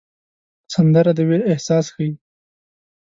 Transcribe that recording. سندره د ویر احساس ښيي